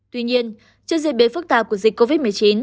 tuy nhiên trước diễn biến phức tạp của dịch covid một mươi chín